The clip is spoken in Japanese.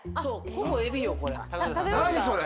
ほぼエビよこれ。